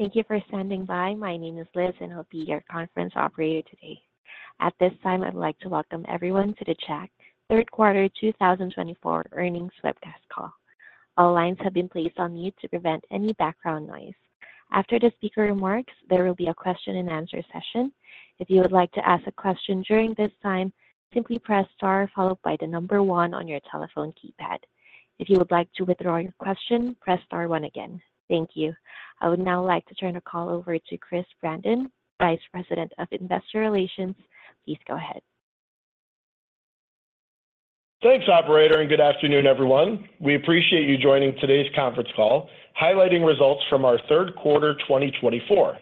Thank you for standing by. My name is Liz, and I'll be your conference Operator today. At this time, I'd like to welcome everyone to the Jack Third Quarter 2024 Earnings Webcast call. All lines have been placed on mute to prevent any background noise. After the speaker remarks, there will be a question-and-answer session. If you would like to ask a question during this time, simply press star followed by the number one on your telephone keypad. If you would like to withdraw your question, press star one again. Thank you. I would now like to turn the call over to Chris Brandon, Vice President of Investor Relations. Please go ahead. Thanks, Operator, and good afternoon, everyone. We appreciate you joining today's conference call, highlighting results from our third quarter, 2024.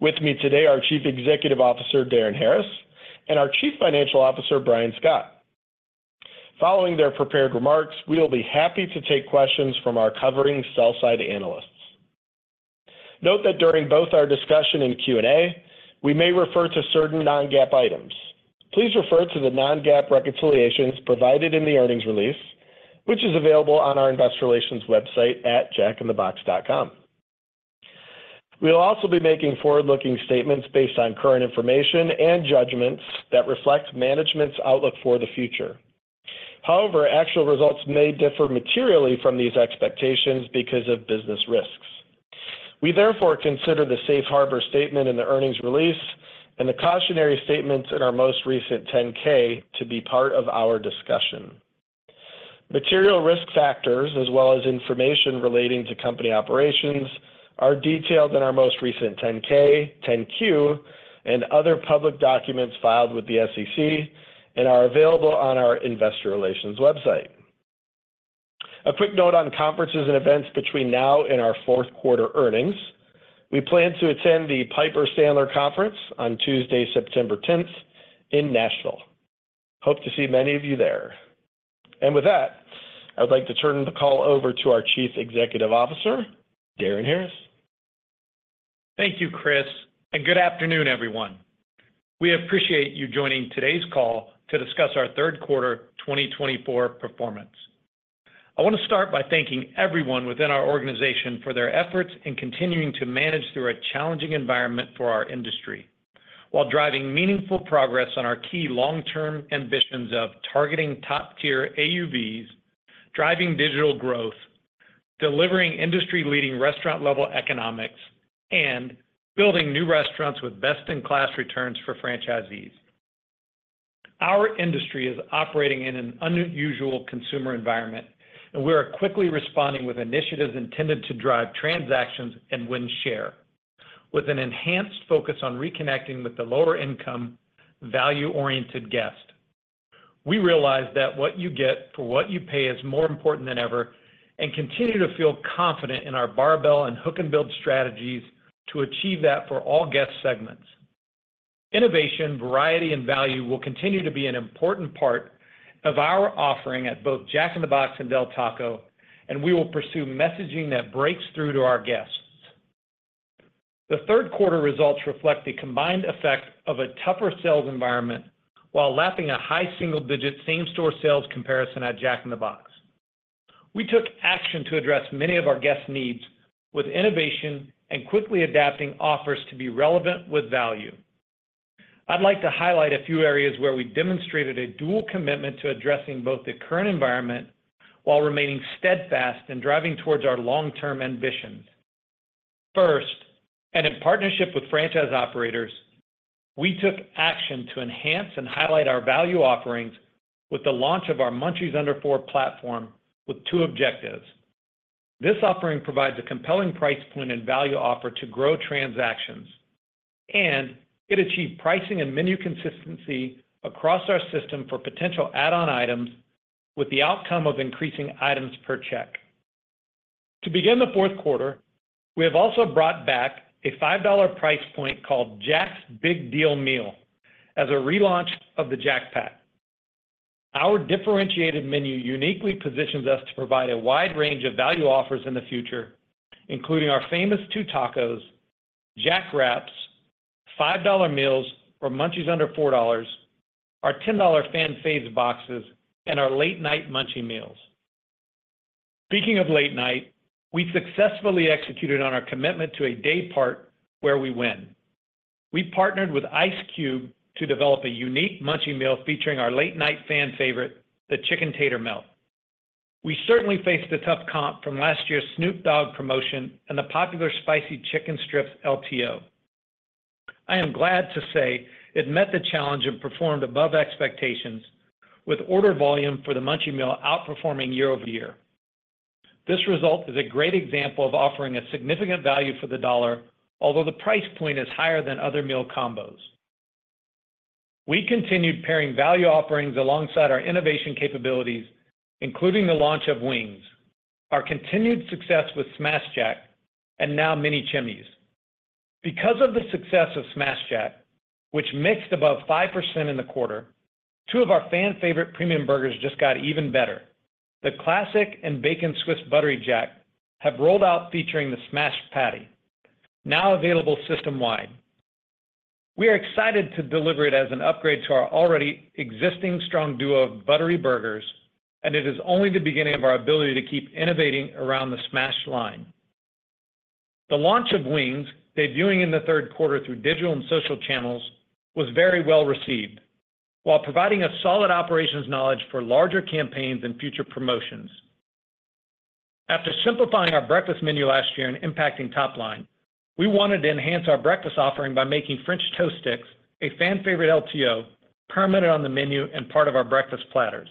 With me today are Chief Executive Officer, Darin Harris, and our Chief Financial Officer, Brian Scott. Following their prepared remarks, we will be happy to take questions from our covering sell-side analysts. Note that during both our discussion and Q&A, we may refer to certain non-GAAP items. Please refer to the non-GAAP reconciliations provided in the earnings release, which is available on our Investor Relations website at jackinthebox.com. We'll also be making forward-looking statements based on current information and judgments that reflect management's outlook for the future. However, actual results may differ materially from these expectations because of business risks. We therefore consider the safe harbor statement in the earnings release and the cautionary statements in our most recent 10-K to be part of our discussion. Material risk factors, as well as information relating to company operations, are detailed in our most recent 10-K, 10-Q, and other public documents filed with the SEC and are available on our Investor Relations website. A quick note on conferences and events between now and our fourth quarter earnings. We plan to attend the Piper Sandler conference on Tuesday, September 10th, in Nashville. Hope to see many of you there. And with that, I'd like to turn the call over to our Chief Executive Officer, Darin Harris. Thank you, Chris, and good afternoon, everyone. We appreciate you joining today's call to discuss our third quarter, 2024 performance. I want to start by thanking everyone within our organization for their efforts in continuing to manage through a challenging environment for our industry, while driving meaningful progress on our key long-term ambitions of targeting top-tier AUVs, driving digital growth, delivering industry-leading restaurant level economics, and building new restaurants with best-in-class returns for franchisees. Our industry is operating in an unusual consumer environment, and we are quickly responding with initiatives intended to drive transactions and win share, with an enhanced focus on reconnecting with the lower income, value-oriented guest. We realize that what you get for what you pay is more important than ever and continue to feel confident in our barbell and hook and build strategies to achieve that for all guest segments. Innovation, variety, and value will continue to be an important part of our offering at both Jack in the Box and Del Taco, and we will pursue messaging that breaks through to our guests. The third quarter results reflect the combined effect of a tougher sales environment, while lapping a high single-digit same-store sales comparison at Jack in the Box. We took action to address many of our guests' needs with innovation and quickly adapting offers to be relevant with value. I'd like to highlight a few areas where we demonstrated a dual commitment to addressing both the current environment while remaining steadfast and driving towards our long-term ambitions. First, and in partnership with franchise operators, we took action to enhance and highlight our value offerings with the launch of our Munchies Under $4 platform with two objectives. This offering provides a compelling price point and value offer to grow transactions, and it achieved pricing and menu consistency across our system for potential add-on items, with the outcome of increasing items per check. To begin the fourth quarter, we have also brought back a $5 price point called Jack's Big Deal Meal as a relaunch of the Jack Pack. Our differentiated menu uniquely positions us to provide a wide range of value offers in the future, including our famous Two Tacos, Jack Wraps, $5 meals or Munchies Under $4, our $10 Fan Favs Boxes, and our Late Night Munchie Meals. Speaking of late night, we successfully executed on our commitment to a day part where we win. We partnered with Ice Cube to develop a unique Munchie Meal featuring our late-night fan favorite, the Chick-N-Tater Melt. We certainly faced a tough comp from last year's Snoop Dogg promotion and the popular spicy chicken strips LTO. I am glad to say it met the challenge and performed above expectations, with order volume for the Munchie Meal outperforming year-over-year. This result is a great example of offering a significant value for the dollar, although the price point is higher than other meal combos. We continued pairing value offerings alongside our innovation capabilities, including the launch of wings, our continued success with Smashed Jack, and now Mini Chimis. Because of the success of Smashed Jack, which mixed above 5% in the quarter, two of our fan favorite premium burgers just got even better. The Classic and Bacon Swiss Buttery Jack have rolled out featuring the Smashed patty, now available system-wide. We are excited to deliver it as an upgrade to our already existing strong duo of buttery burgers, and it is only the beginning of our ability to keep innovating around the Smashed line. The launch of wings, debuting in the third quarter through digital and social channels, was very well received, while providing a solid operations knowledge for larger campaigns and future promotions. After simplifying our breakfast menu last year and impacting top line, we wanted to enhance our breakfast offering by making French Toast Sticks, a fan favorite LTO, permanent on the menu and part of our breakfast platters.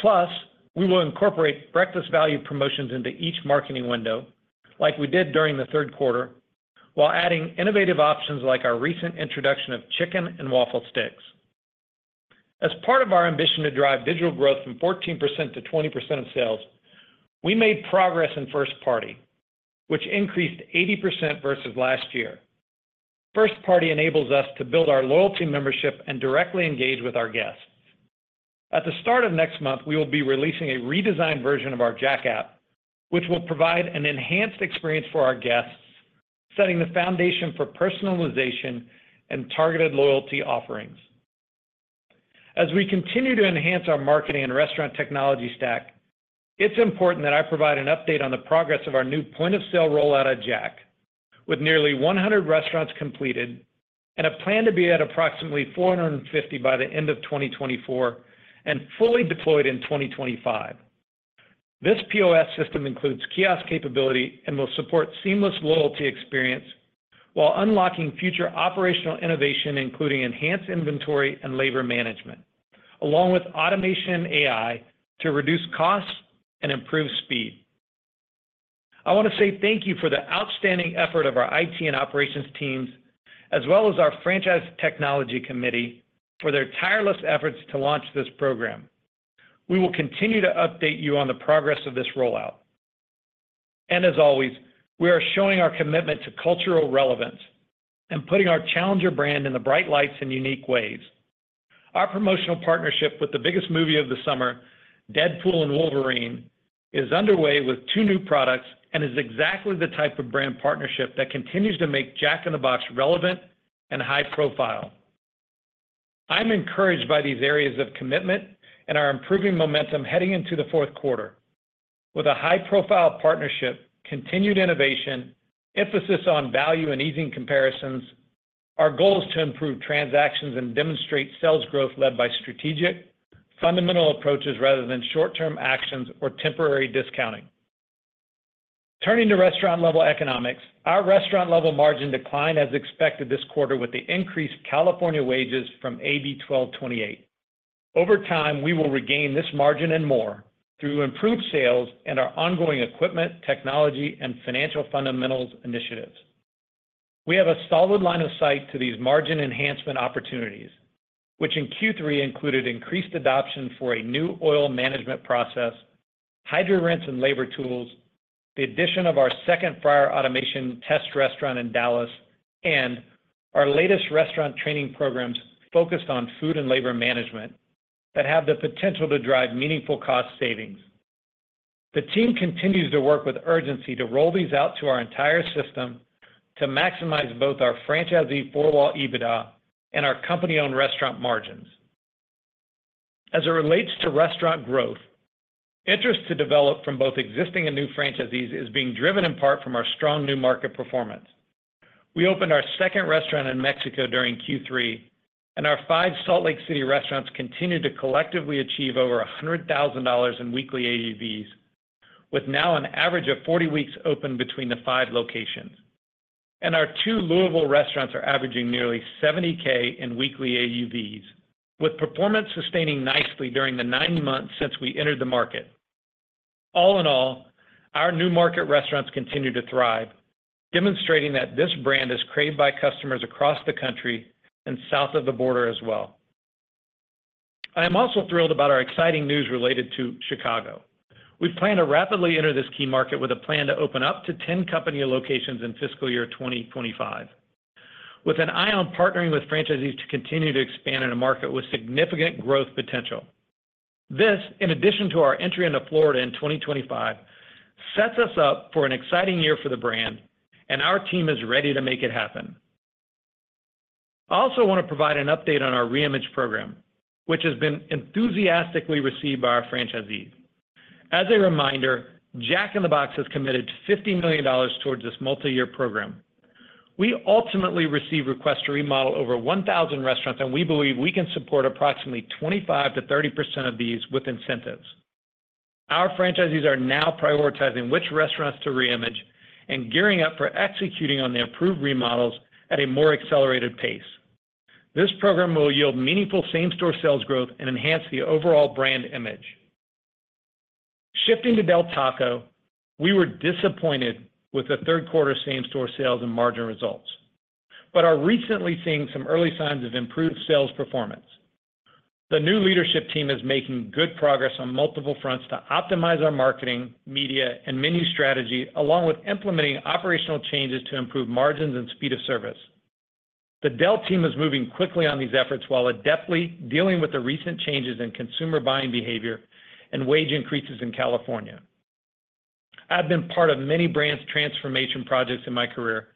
Plus, we will incorporate breakfast value promotions into each marketing window, like we did during the third quarter, while adding innovative options like our recent introduction of Chicken and Waffle Sticks. As part of our ambition to drive digital growth from 14%-20% of sales, we made progress in first party, which increased 80% versus last year. First party enables us to build our loyalty membership and directly engage with our guests. At the start of next month, we will be releasing a redesigned version of our Jack App, which will provide an enhanced experience for our guests, setting the foundation for personalization and targeted loyalty offerings. As we continue to enhance our marketing and restaurant technology stack, it's important that I provide an update on the progress of our new point-of-sale rollout at Jack, with nearly 100 restaurants completed and a plan to be at approximately 450 by the end of 2024 and fully deployed in 2025. This POS system includes kiosk capability and will support seamless loyalty experience while unlocking future operational innovation, including enhanced inventory and labor management, along with automation and AI to reduce costs and improve speed. I want to say thank you for the outstanding effort of our IT and operations teams, as well as our Franchise Technology Committee, for their tireless efforts to launch this program. We will continue to update you on the progress of this rollout. As always, we are showing our commitment to cultural relevance and putting our challenger brand in the bright lights in unique ways. Our promotional partnership with the biggest movie of the summer, Deadpool and Wolverine, is underway with two new products and is exactly the type of brand partnership that continues to make Jack in the Box relevant and high profile. I'm encouraged by these areas of commitment and our improving momentum heading into the fourth quarter. With a high-profile partnership, continued innovation, emphasis on value and easing comparisons, our goal is to improve transactions and demonstrate sales growth led by strategic, fundamental approaches rather than short-term actions or temporary discounting. Turning to restaurant-level economics, our restaurant-level margin declined as expected this quarter with the increased California wages from AB 1228. Over time, we will regain this margin and more through improved sales and our ongoing equipment, technology, and financial fundamentals initiatives. We have a solid line of sight to these margin enhancement opportunities, which in Q3 included increased adoption for a new oil management process, Hydro Rinse and labor tools, the addition of our second fryer automation test restaurant in Dallas, and our latest restaurant training programs focused on food and labor management that have the potential to drive meaningful cost savings. The team continues to work with urgency to roll these out to our entire system to maximize both our franchisee Four-wall EBITDA and our company-owned restaurant margins. As it relates to restaurant growth, interest to develop from both existing and new franchisees is being driven in part from our strong new market performance. We opened our second restaurant in Mexico during Q3, and our five Salt Lake City restaurants continued to collectively achieve over $100,000 in weekly AUVs, with now an average of 40 weeks open between the five locations. Our two Louisville restaurants are averaging nearly $70,000 in weekly AUVs, with performance sustaining nicely during the nine months since we entered the market. All in all, our new market restaurants continue to thrive, demonstrating that this brand is craved by customers across the country and south of the border as well. I am also thrilled about our exciting news related to Chicago. We plan to rapidly enter this key market with a plan to open up to 10 company locations in fiscal year 2025, with an eye on partnering with franchisees to continue to expand in a market with significant growth potential. This, in addition to our entry into Florida in 2025, sets us up for an exciting year for the brand, and our team is ready to make it happen. I also want to provide an update on our Reimage Program, which has been enthusiastically received by our franchisees. As a reminder, Jack in the Box has committed $50 million towards this multiyear program. We ultimately receive requests to remodel over 1,000 restaurants, and we believe we can support approximately 25%-30% of these with incentives. Our franchisees are now prioritizing which restaurants to reimage and gearing up for executing on the approved remodels at a more accelerated pace. This program will yield meaningful same-store sales growth and enhance the overall brand image. Shifting to Del Taco, we were disappointed with the third quarter same-store sales and margin results, but are recently seeing some early signs of improved sales performance. The new leadership team is making good progress on multiple fronts to optimize our marketing, media, and menu strategy, along with implementing operational changes to improve margins and speed of service. The Del team is moving quickly on these efforts, while adeptly dealing with the recent changes in consumer buying behavior and wage increases in California.... I've been part of many brands transformation projects in my career,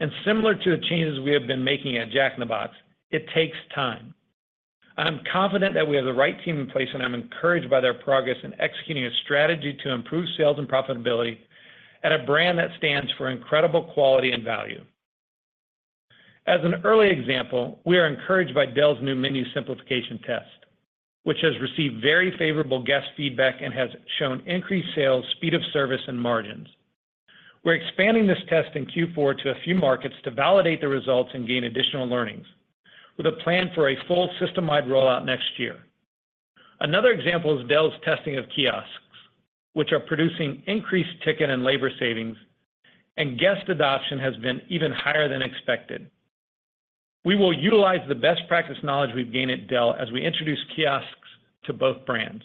and similar to the changes we have been making at Jack in the Box, it takes time. I'm confident that we have the right team in place, and I'm encouraged by their progress in executing a strategy to improve sales and profitability at a brand that stands for incredible quality and value. As an early example, we are encouraged by Del's new menu simplification test, which has received very favorable guest feedback and has shown increased sales, speed of service, and margins. We're expanding this test in Q4 to a few markets to validate the results and gain additional learnings, with a plan for a full system-wide rollout next year. Another example is Del's testing of kiosks, which are producing increased ticket and labor savings, and guest adoption has been even higher than expected. We will utilize the best practice knowledge we've gained at Del as we introduce kiosks to both brands.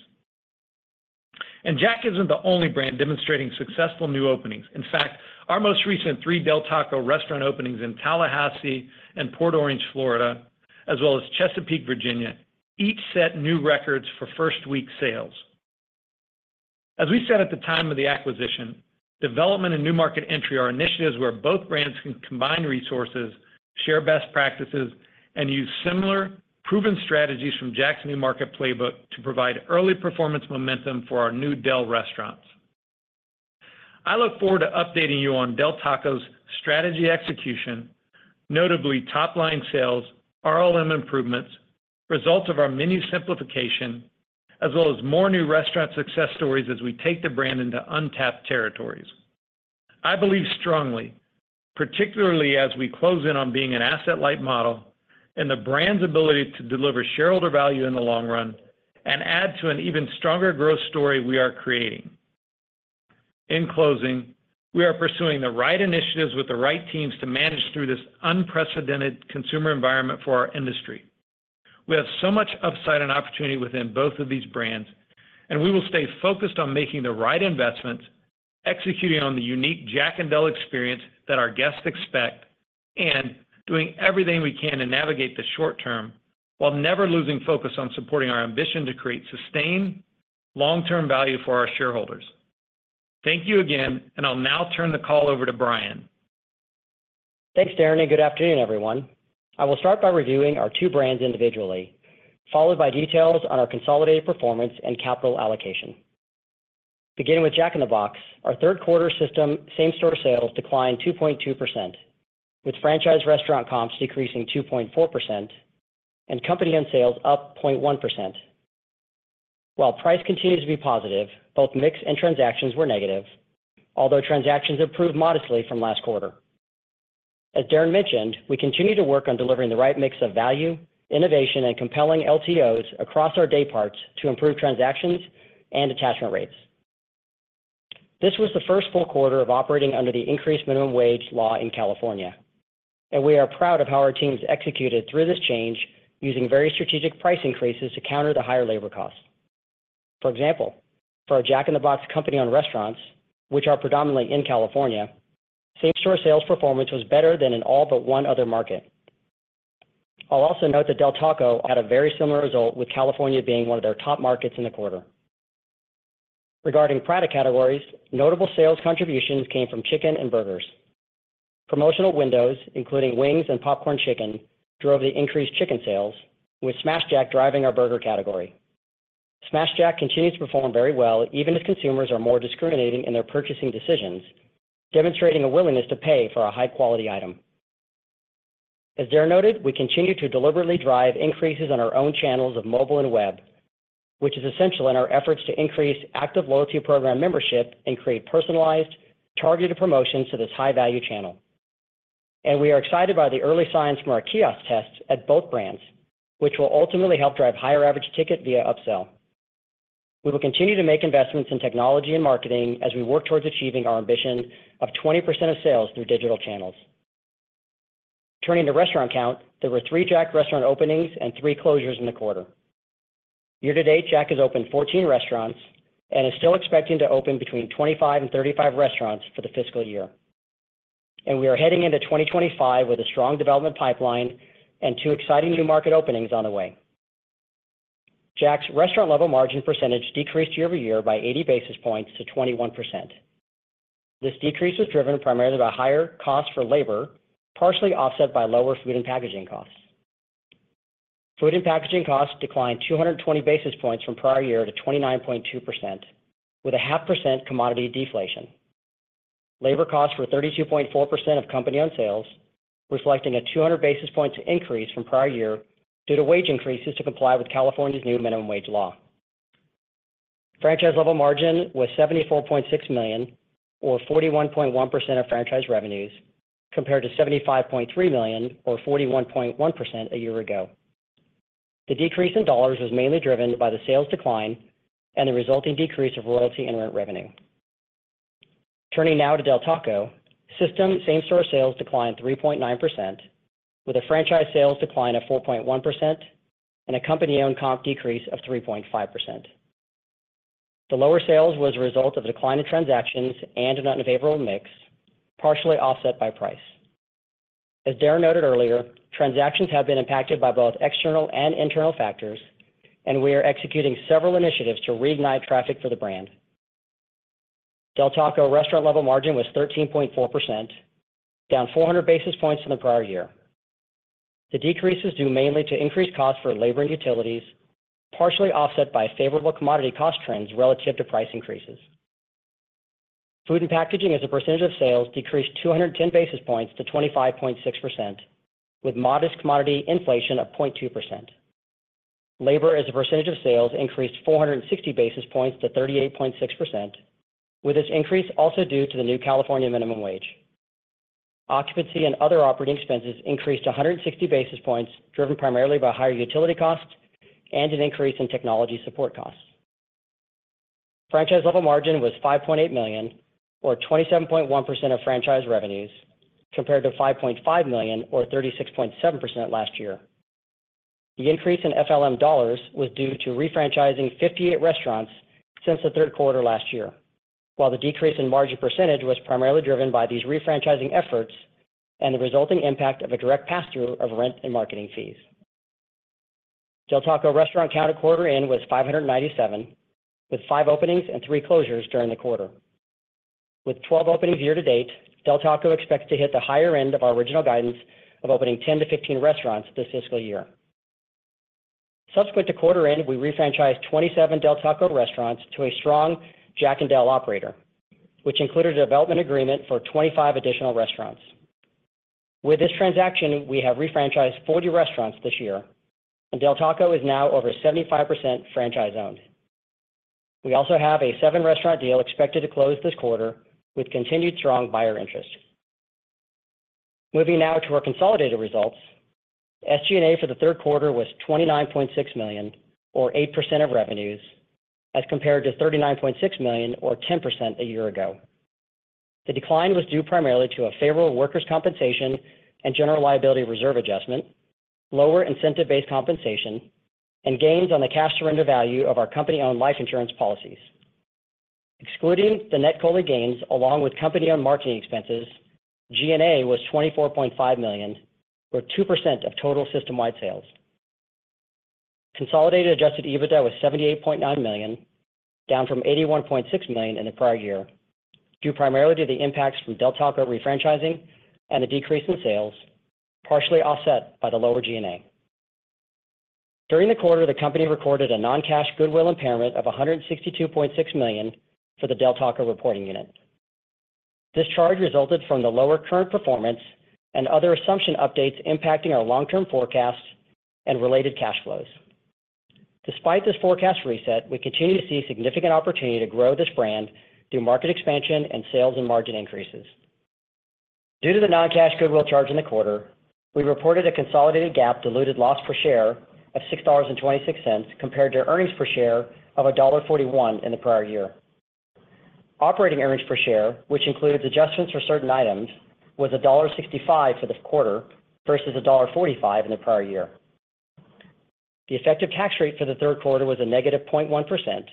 And Jack isn't the only brand demonstrating successful new openings. In fact, our most recent three Del Taco restaurant openings in Tallahassee and Port Orange, Florida, as well as Chesapeake, Virginia, each set new records for first week sales. As we said at the time of the acquisition, development and new market entry are initiatives where both brands can combine resources, share best practices, and use similar proven strategies from Jack's new market playbook to provide early performance momentum for our new Del Taco restaurants. I look forward to updating you on Del Taco's strategy execution, notably top-line sales, RLM improvements, results of our menu simplification, as well as more new restaurant success stories as we take the brand into untapped territories. I believe strongly, particularly as we close in on being an asset-light model and the brand's ability to deliver shareholder value in the long run and add to an even stronger growth story we are creating. In closing, we are pursuing the right initiatives with the right teams to manage through this unprecedented consumer environment for our industry. We have so much upside and opportunity within both of these brands, and we will stay focused on making the right investments, executing on the unique Jack and Del experience that our guests expect, and doing everything we can to navigate the short term while never losing focus on supporting our ambition to create sustained long-term value for our shareholders. Thank you again, and I'll now turn the call over to Brian. Thanks, Darin, and good afternoon, everyone. I will start by reviewing our two brands individually, followed by details on our consolidated performance and capital allocation. Beginning with Jack in the Box, our third quarter system same-store sales declined 2.2%, with franchise restaurant comps decreasing 2.4% and company-owned sales up 0.1%. While price continues to be positive, both mix and transactions were negative, although transactions improved modestly from last quarter. As Darin mentioned, we continue to work on delivering the right mix of value, innovation, and compelling LTOs across our day parts to improve transactions and attachment rates. This was the first full quarter of operating under the increased minimum wage law in California, and we are proud of how our teams executed through this change, using very strategic price increases to counter the higher labor costs. For example, for our Jack in the Box company-owned restaurants, which are predominantly in California, same-store sales performance was better than in all but one other market. I'll also note that Del Taco had a very similar result, with California being one of their top markets in the quarter. Regarding product categories, notable sales contributions came from chicken and burgers. Promotional windows, including wings and popcorn chicken, drove the increased chicken sales, with Smashed Jack driving our burger category. Smashed Jack continues to perform very well, even as consumers are more discriminating in their purchasing decisions, demonstrating a willingness to pay for a high-quality item. As Darin noted, we continue to deliberately drive increases on our own channels of mobile and web, which is essential in our efforts to increase active loyalty program membership and create personalized, targeted promotions to this high-value channel. We are excited by the early signs from our kiosk tests at both brands, which will ultimately help drive higher average ticket via upsell. We will continue to make investments in technology and marketing as we work towards achieving our ambition of 20% of sales through digital channels. Turning to restaurant count, there were three Jack restaurant openings and three closures in the quarter. Year-to-date, Jack has opened 14 restaurants and is still expecting to open between 25 and 35 restaurants for the fiscal year. We are heading into 2025 with a strong development pipeline and two exciting new market openings on the way. Jack's restaurant level margin percentage decreased year-over-year by 80 basis points to 21%. This decrease was driven primarily by higher costs for labor, partially offset by lower food and packaging costs. Food and packaging costs declined 200 basis points from prior year to 29.2%, with a 0.5% commodity deflation. Labor costs were 32.4% of company-owned sales, reflecting a 200 basis points increase from prior year due to wage increases to comply with California's new minimum wage law. Franchise level margin was $74.6 million, or 41.1% of franchise revenues, compared to $75.3 million or 41.1% a year ago. The decrease in dollars was mainly driven by the sales decline and the resulting decrease of royalty and rent revenue. Turning now to Del Taco. System same-store sales declined 3.9%, with a franchise sales decline of 4.1% and a company-owned comp decrease of 3.5%. The lower sales was a result of a decline in transactions and an unfavorable mix, partially offset by price. As Darin noted earlier, transactions have been impacted by both external and internal factors, and we are executing several initiatives to reignite traffic for the brand. Del Taco restaurant level margin was 13.4%, down 400 basis points from the prior year. The decrease is due mainly to increased costs for labor and utilities, partially offset by favorable commodity cost trends relative to price increases. Food and packaging as a percentage of sales decreased 210 basis points to 25.6%, with modest commodity inflation of 0.2%. Labor as a percentage of sales increased 460 basis points to 38.6%, with this increase also due to the new California minimum wage. Occupancy and other operating expenses increased 100 basis points, driven primarily by higher utility costs and an increase in technology support costs. Franchise level margin was $5.8 million, or 27.1% of franchise revenues, compared to $5.5 million, or 36.7% last year. The increase in FLM dollars was due to refranchising 58 restaurants since the third quarter last year, while the decrease in margin percentage was primarily driven by these refranchising efforts and the resulting impact of a direct pass-through of rent and marketing fees. Del Taco restaurant count at quarter end was 597, with five openings and three closures during the quarter. With 12 openings year-to-date, Del Taco expects to hit the higher end of our original guidance of opening 10-15 restaurants this fiscal year. Subsequent to quarter end, we refranchised 27 Del Taco restaurants to a strong Jack and Del operator, which included a development agreement for 25 additional restaurants. With this transaction, we have refranchised 40 restaurants this year, and Del Taco is now over 75% franchise-owned. We also have a seven restaurant deal expected to close this quarter, with continued strong buyer interest. Moving now to our consolidated results. SG&A for the third quarter was $29.6 million, or 8% of revenues, as compared to $39.6 million or 10% a year ago. The decline was due primarily to a favorable workers' compensation and general liability reserve adjustment, lower incentive-based compensation, and gains on the cash surrender value of our company-owned life insurance policies. Excluding the net COLI gains along with company-owned marketing expenses, G&A was $24.5 million, or 2% of total system-wide sales. Consolidated Adjusted EBITDA was $78.9 million, down from $81.6 million in the prior year, due primarily to the impacts from Del Taco refranchising and a decrease in sales, partially offset by the lower G&A. During the quarter, the company recorded a non-cash goodwill impairment of $162.6 million for the Del Taco reporting unit. This charge resulted from the lower current performance and other assumption updates impacting our long-term forecasts and related cash flows. Despite this forecast reset, we continue to see significant opportunity to grow this brand through market expansion and sales and margin increases. Due to the non-cash goodwill charge in the quarter, we reported a consolidated GAAP diluted loss per share of $6.26, compared to earnings per share of $1.41 in the prior year. Operating earnings per share, which includes adjustments for certain items, was $1.65 for this quarter versus $1.45 in the prior year. The effective tax rate for the third quarter was -0.1%,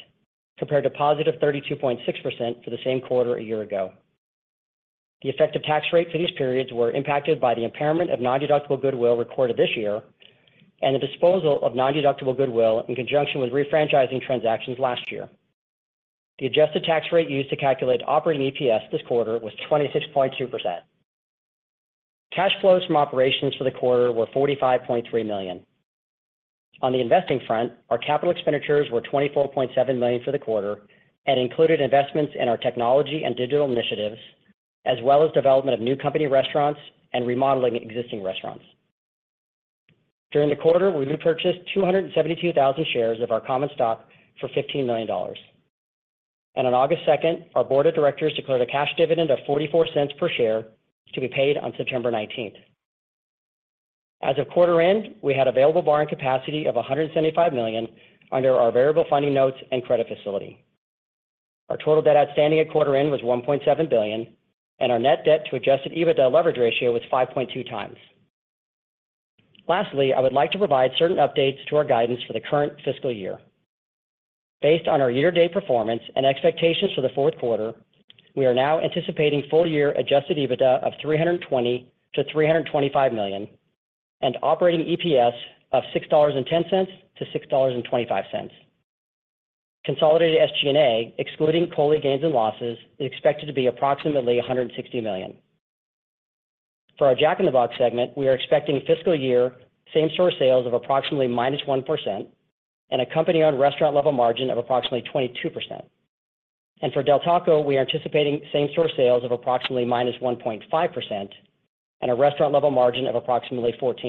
compared to +32.6% for the same quarter a year ago. The effective tax rate for these periods were impacted by the impairment of nondeductible goodwill recorded this year and the disposal of nondeductible goodwill in conjunction with refranchising transactions last year. The adjusted tax rate used to calculate operating EPS this quarter was 26.2%. Cash flows from operations for the quarter were $45.3 million. On the investing front, our capital expenditures were $24.7 million for the quarter and included investments in our technology and digital initiatives, as well as development of new company restaurants and remodeling existing restaurants. During the quarter, we repurchased 272,000 shares of our common stock for $15 million. On August 2nd, our board of directors declared a cash dividend of $0.44 per share to be paid on September 19th. As of quarter end, we had available borrowing capacity of $175 million under our variable funding notes and credit facility. Our total debt outstanding at quarter end was $1.7 billion, and our net debt to Adjusted EBITDA leverage ratio was 5.2 times. Lastly, I would like to provide certain updates to our guidance for the current fiscal year. Based on our year-to-date performance and expectations for the fourth quarter, we are now anticipating full-year Adjusted EBITDA of $320 million-$325 million, and operating EPS of $6.10-$6.25. Consolidated SG&A, excluding COLI gains and losses, is expected to be approximately $160 million. For our Jack in the Box segment, we are expecting fiscal year same-store sales of approximately -1% and a company-owned restaurant level margin of approximately 22%. And for Del Taco, we are anticipating same-store sales of approximately -1.5% and a restaurant level margin of approximately 14%.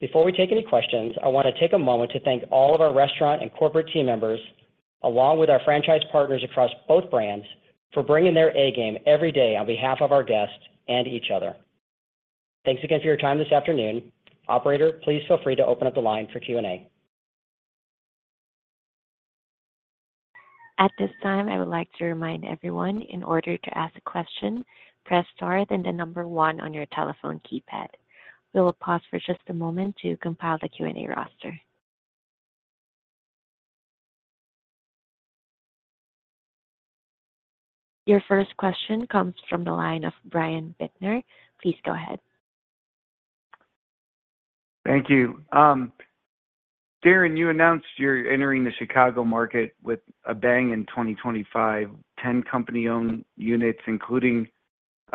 Before we take any questions, I want to take a moment to thank all of our restaurant and corporate team members, along with our franchise partners across both brands, for bringing their A game every day on behalf of our guests and each other. Thanks again for your time this afternoon. Operator, please feel free to open up the line for Q&A. At this time, I would like to remind everyone, in order to ask a question, press star, then the number one on your telephone keypad. We will pause for just a moment to compile the Q&A roster.... Your first question comes from the line of Brian Bittner. Please go ahead. Thank you. Darin, you announced you're entering the Chicago market with a bang in 2025, 10 company-owned units, including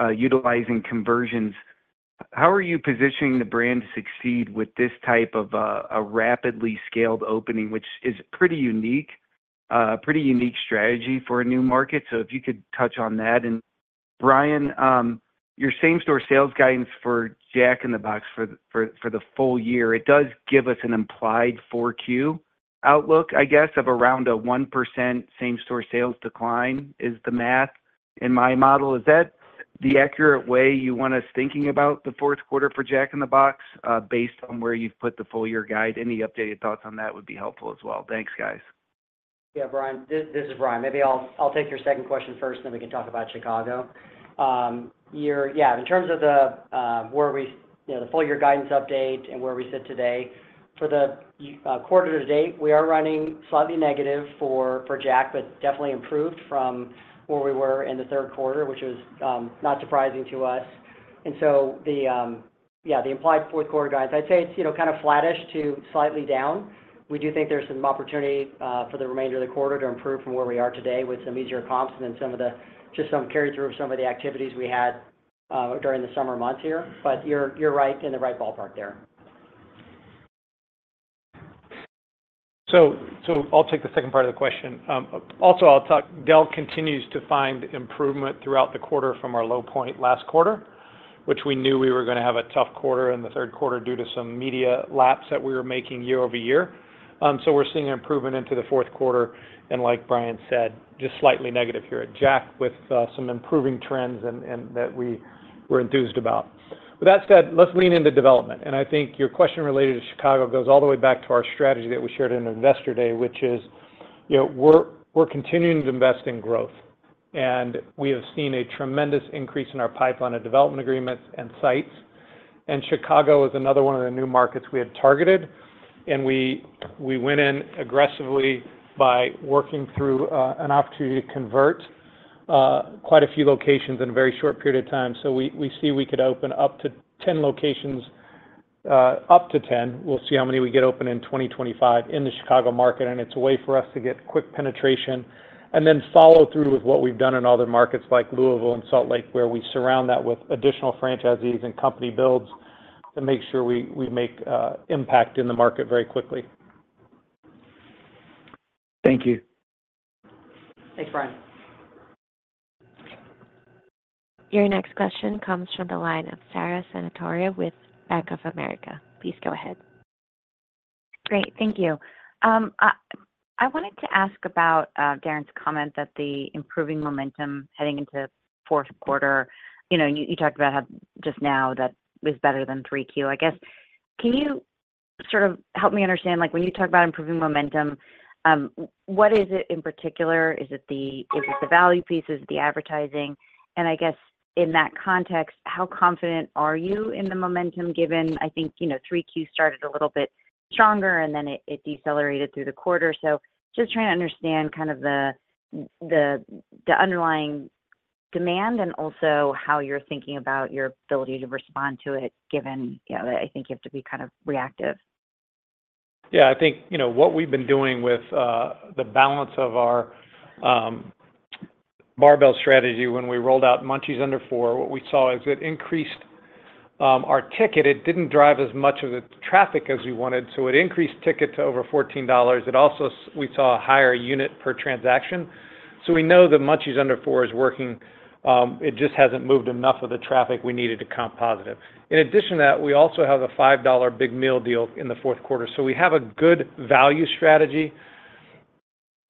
utilizing conversions. How are you positioning the brand to succeed with this type of a rapidly scaled opening, which is pretty unique, pretty unique strategy for a new market? So if you could touch on that. And Brian, your same-store sales guidance for Jack in the Box for the full year, it does give us an implied Q4 outlook, I guess, of around a 1% same-store sales decline. Is the math in my model, is that the accurate way you want us thinking about the fourth quarter for Jack in the Box, based on where you've put the full year guide? Any updated thoughts on that would be helpful as well. Thanks, guys. Yeah, Brian, this is Brian. Maybe I'll take your second question first, then we can talk about Chicago. Yeah, in terms of where we you know, the full year guidance update and where we sit today, for the quarter-to-date, we are running slightly negative for Jack, but definitely improved from where we were in the third quarter, which was not surprising to us. And so yeah, the implied fourth quarter guys, I'd say it's you know, kind of flattish to slightly down. We do think there's some opportunity for the remainder of the quarter to improve from where we are today with some easier comps and then some of the just some carry through of some of the activities we had during the summer months here. But you're right in the right ballpark there. I'll take the second part of the question. Also, I'll talk. Del Taco continues to find improvement throughout the quarter from our low point last quarter, which we knew we were gonna have a tough quarter in the third quarter due to some media laps that we were making year-over-year. So we're seeing an improvement into the fourth quarter, and like Brian said, just slightly negative here at Jack with some improving trends and that we were enthused about. With that said, let's lean into development, and I think your question related to Chicago goes all the way back to our strategy that we shared in Investor Day, which is, you know, we're continuing to invest in growth, and we have seen a tremendous increase in our pipeline of development agreements and sites. Chicago is another one of the new markets we had targeted, and we went in aggressively by working through an opportunity to convert quite a few locations in a very short period of time. So we see we could open up to 10 locations, up to 10. We'll see how many we get open in 2025 in the Chicago market, and it's a way for us to get quick penetration and then follow through with what we've done in other markets like Louisville and Salt Lake, where we surround that with additional franchisees and company builds to make sure we make impact in the market very quickly. Thank you. Thanks, Brian. Your next question comes from the line of Sara Senatore with Bank of America. Please go ahead. Great. Thank you. I wanted to ask about Darin's comment that the improving momentum heading into fourth quarter. You know, you talked about how just now that is better than Q3. I guess, can you sort of help me understand, like, when you talk about improving momentum, what is it in particular? Is it the value piece, is it the advertising? And I guess in that context, how confident are you in the momentum, given, I think, you know, Q3 started a little bit stronger and then it decelerated through the quarter. So just trying to understand kind of the underlying demand and also how you're thinking about your ability to respond to it, given, you know, I think you have to be kind of reactive. Yeah, I think, you know, what we've been doing with the balance of our barbell strategy when we rolled out Munchies Under $4, what we saw is it increased our ticket. It didn't drive as much of the traffic as we wanted, so it increased ticket to over $14. It also we saw a higher unit per transaction. So we know the Munchies Under $4 is working, it just hasn't moved enough of the traffic we needed to comp positive. In addition to that, we also have a $5 Big Deal Meal in the fourth quarter. So we have a good value strategy.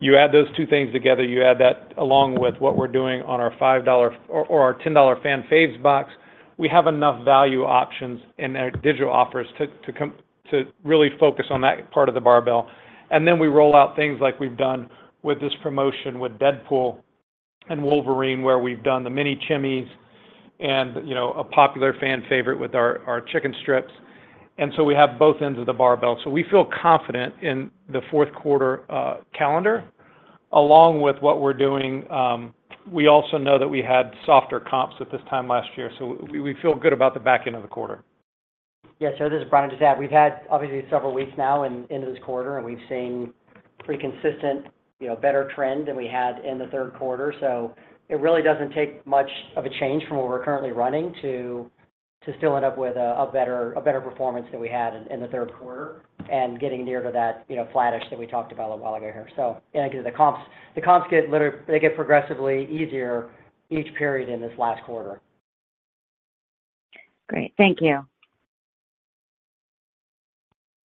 You add those two things together, you add that along with what we're doing on our $5 or $10 Fan Favs Box, we have enough value options in our digital offers to come to really focus on that part of the barbell. And then we roll out things like we've done with this promotion with Deadpool and Wolverine, where we've done the Mini Chimis and, you know, a popular fan favorite with our chicken strips. And so we have both ends of the barbell. So we feel confident in the fourth quarter calendar, along with what we're doing, we also know that we had softer comps at this time last year, so we feel good about the back end of the quarter. Yeah. So this is Brian. Just to add, we've had obviously several weeks now into this quarter, and we've seen pretty consistent, you know, better trend than we had in the third quarter. So it really doesn't take much of a change from what we're currently running to still end up with a better performance than we had in the third quarter and getting nearer to that, you know, flattish that we talked about a while ago here. So, and again, the comps get progressively easier each period in this last quarter. Great. Thank you.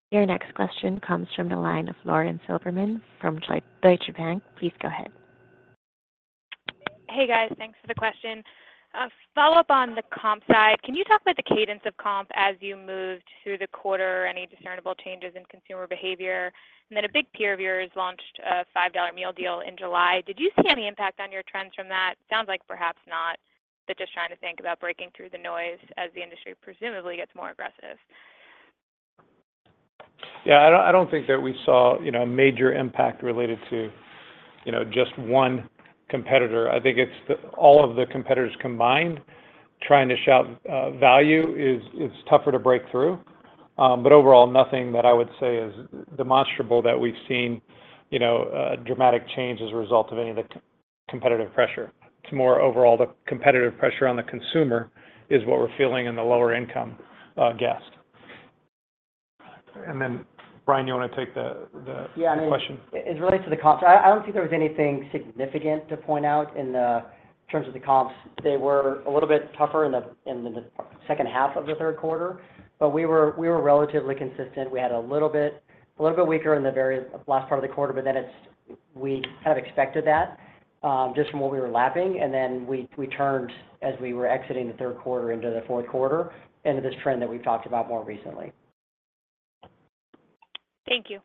Your next question comes from the line of Lauren Silberman from Deutsche Bank. Please go ahead. Hey, guys. Thanks for the question. Follow-up on the comp side, can you talk about the cadence of comp as you moved through the quarter? Any discernible changes in consumer behavior? And then a big peer of yours launched a $5 meal deal in July. Did you see any impact on your trends from that? Sounds like perhaps not, but just trying to think about breaking through the noise as the industry presumably gets more aggressive.... Yeah, I don't, I don't think that we saw, you know, a major impact related to, you know, just one competitor. I think it's the all of the competitors combined, trying to shout value is tougher to break through. But overall, nothing that I would say is demonstrable that we've seen, you know, a dramatic change as a result of any of the competitive pressure. It's more overall, the competitive pressure on the consumer is what we're feeling in the lower income guest. And then, Brian, you wanna take the Yeah. - question? It relates to the comps. I don't think there was anything significant to point out in terms of the comps. They were a little bit tougher in the second half of the third quarter, but we were relatively consistent. We had a little bit weaker in the very last part of the quarter, but then it's. We had expected that, just from what we were lapping, and then we turned as we were exiting the third quarter into the fourth quarter, into this trend that we've talked about more recently. Thank you.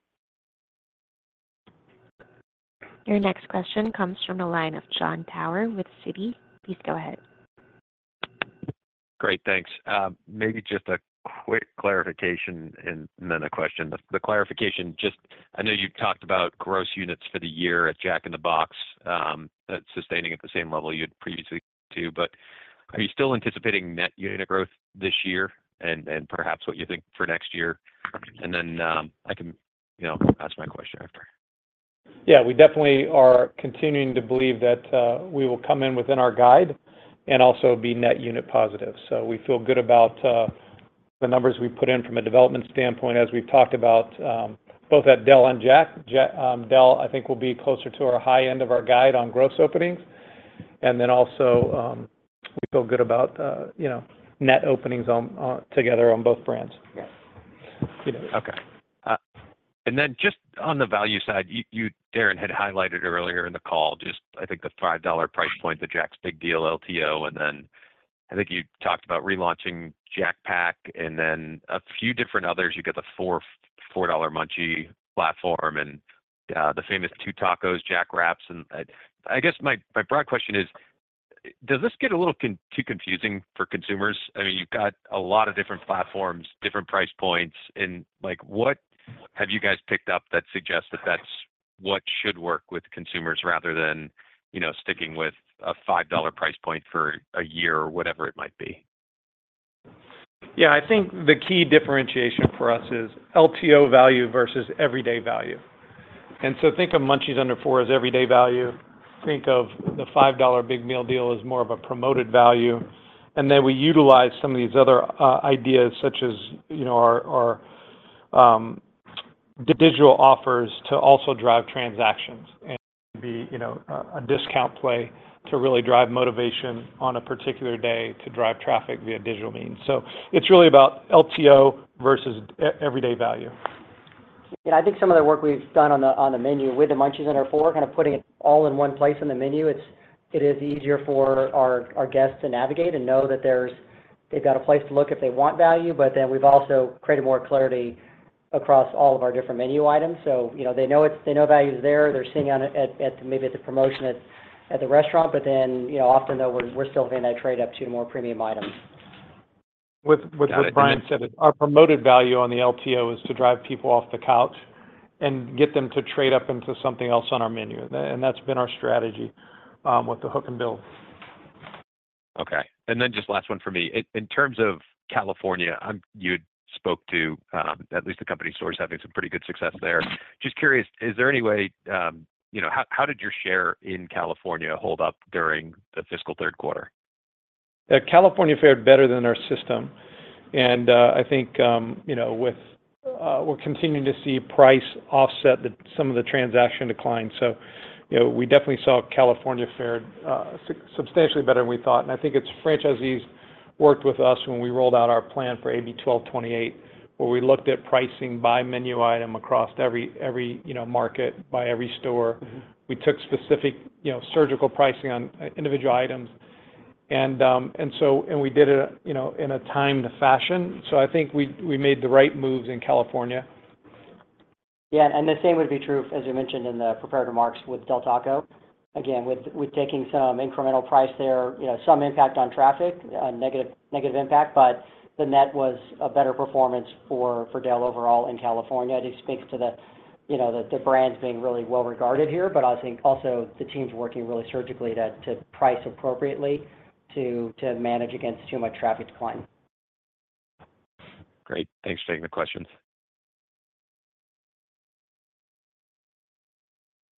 Your next question comes from the line of Jon Tower with Citi. Please go ahead. Great, thanks. Maybe just a quick clarification and then a question. The clarification, just I know you've talked about gross units for the year at Jack in the Box, that's sustaining at the same level you had previously too, but are you still anticipating net unit growth this year and perhaps what you think for next year? And then, I can, you know, ask my question after. Yeah, we definitely are continuing to believe that we will come in within our guide and also be net unit positive. So we feel good about the numbers we've put in from a development standpoint. As we've talked about, both at Del and Jack. Del, I think will be closer to our high end of our guide on gross openings. And then also, we feel good about, you know, net openings together on both brands. Yes. Okay. And then just on the value side, you, you, Darin, had highlighted earlier in the call, just I think the $5 price point, the Jack's Big Deal LTO, and then I think you talked about relaunching Jack Pack and then a few different others. You got the $4 Munchie platform and, uh, the famous Two Tacos, Jack Wraps. And I, I guess my, my broad question is: Does this get a little too confusing for consumers? I mean, you've got a lot of different platforms, different price points, and like, what have you guys picked up that suggests that that's what should work with consumers, rather than, you know, sticking with a $5 price point for a year or whatever it might be? Yeah, I think the key differentiation for us is LTO value versus everyday value. So think of Munchies Under $4 as everyday value. Think of the $5 Big Deal Meal as more of a promoted value. And then we utilize some of these other ideas, such as, you know, our digital offers to also drive transactions and be, you know, a discount play to really drive motivation on a particular day to drive traffic via digital means. So it's really about LTO versus everyday value. Yeah, I think some of the work we've done on the, on the menu with the Munchies Under $4, kind of putting it all in one place on the menu, it's, it is easier for our, our guests to navigate and know that there's... They've got a place to look if they want value, but then we've also created more clarity across all of our different menu items. So, you know, they know it's-- they know value is there. They're seeing on it at, at maybe at the promotion at, at the restaurant, but then, you know, often though, we're, we're still hitting that trade up to more premium items. With what Brian said, our promoted value on the LTO is to drive people off the couch and get them to trade up into something else on our menu. And that's been our strategy with the Hook and Build. Okay. And then just last one for me. In terms of California, you had spoke to at least the company stores having some pretty good success there. Just curious, is there any way, you know, how did your share in California hold up during the fiscal third quarter? California fared better than our system, and I think you know with we're continuing to see price offset some of the transaction declines. So, you know, we definitely saw California fared substantially better than we thought. And I think it's franchisees worked with us when we rolled out our plan for AB 1228, where we looked at pricing by menu item across every you know market by every store. Mm-hmm. We took specific, you know, surgical pricing on individual items. And we did it, you know, in a timed fashion. So I think we made the right moves in California. Yeah, and the same would be true, as you mentioned in the prepared remarks with Del Taco. Again, with taking some incremental price there, you know, some impact on traffic, negative impact, but the net was a better performance for Del overall in California. It just speaks to the, you know, the brands being really well-regarded here, but I think also the teams working really surgically to price appropriately to manage against too much traffic decline. Great. Thanks for taking the questions.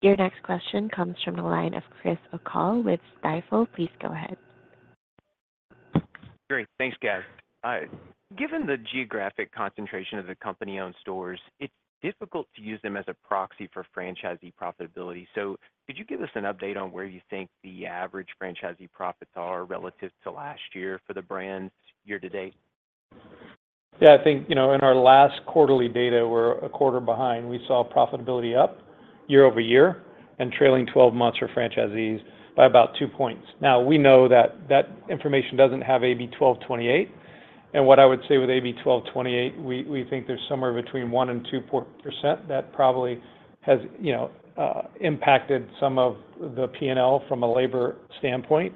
Your next question comes from the line of Chris O'Cull with Stifel. Please go ahead. Great. Thanks, guys. Given the geographic concentration of the company-owned stores, it's difficult to use them as a proxy for franchisee profitability. So could you give us an update on where you think the average franchisee profits are relative to last year for the brands year-to-date? Yeah, I think, you know, in our last quarterly data, we're a quarter behind. We saw profitability up year-over-year and trailing 12 months for franchisees by about two points. Now, we know that that information doesn't have AB 1228, and what I would say with AB 1228, we think there's somewhere between 1 and 2 point percent that probably has, you know, impacted some of the P&L from a labor standpoint,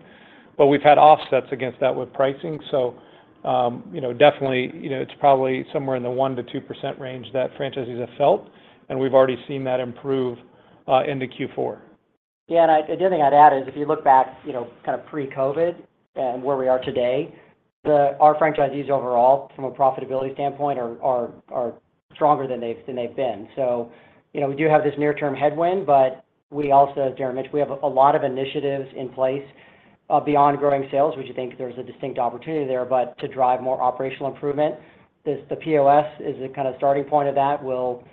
but we've had offsets against that with pricing. So, you know, definitely, you know, it's probably somewhere in the 1%-2% range that franchisees have felt, and we've already seen that improve into Q4. Yeah, and the other thing I'd add is, if you look back, you know, kind of pre-COVID and where we are today, our franchisees overall, from a profitability standpoint, are stronger than they've been. So, you know, we do have this near-term headwind, but we also, as Darin mentioned, we have a lot of initiatives in place beyond growing sales, which I think there's a distinct opportunity there. But to drive more operational improvement, the POS is the kind of starting point of that. We'll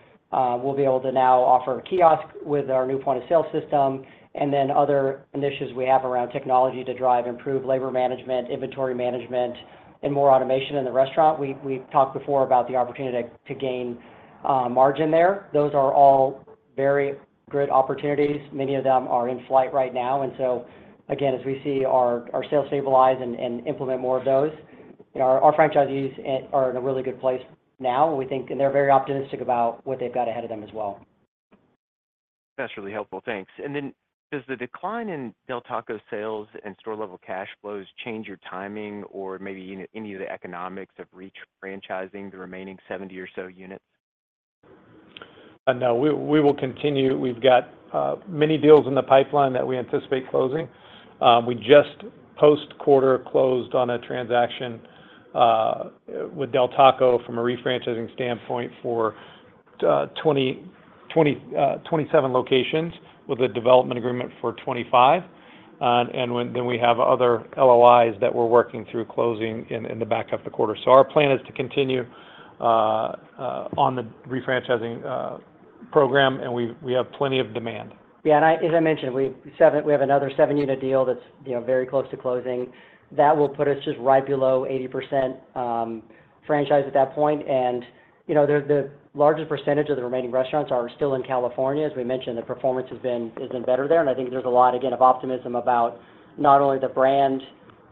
be able to now offer a kiosk with our new point-of-sale system, and then other initiatives we have around technology to drive improved labor management, inventory management, and more automation in the restaurant. We've talked before about the opportunity to gain margin there. Those are all very great opportunities. Many of them are in flight right now. And so, again, as we see our sales stabilize and implement more of those, you know, our franchisees are in a really good place now, and we think and they're very optimistic about what they've got ahead of them as well. That's really helpful. Thanks. And then, does the decline in Del Taco sales and store-level cash flows change your timing or maybe any, any of the economics of re-franchising the remaining 70 or so units? No, we will continue. We've got many deals in the pipeline that we anticipate closing. We just post-quarter closed on a transaction with Del Taco from a re-franchising standpoint for 27 locations, with a development agreement for 25. Then we have other LOIs that we're working through closing in the back half of the quarter. So our plan is to continue on the re-franchising program, and we have plenty of demand. Yeah, and as I mentioned, we have another seven unit deal that's, you know, very close to closing. That will put us just right below 80% franchise at that point. And, you know, the largest percentage of the remaining restaurants are still in California. As we mentioned, the performance has been better there, and I think there's a lot, again, of optimism about not only the brand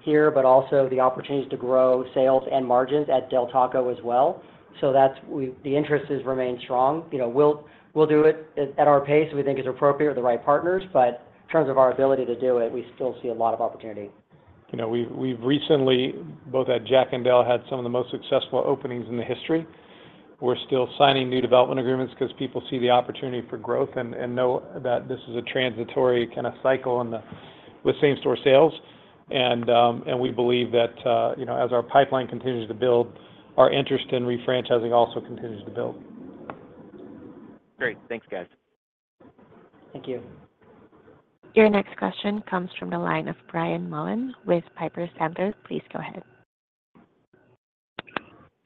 here, but also the opportunities to grow sales and margins at Del Taco as well. So that's the interest has remained strong. You know, we'll do it at our pace we think is appropriate with the right partners, but in terms of our ability to do it, we still see a lot of opportunity. You know, we've recently, both at Jack and Del, had some of the most successful openings in the history. We're still signing new development agreements 'cause people see the opportunity for growth and know that this is a transitory kind of cycle with same-store sales. And we believe that, you know, as our pipeline continues to build, our interest in re-franchising also continues to build. Great. Thanks, guys. Thank you. Your next question comes from the line of Brian Mullan with Piper Sandler. Please go ahead.